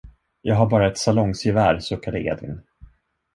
Jag har bara ett salongsgevär, suckade Edvin.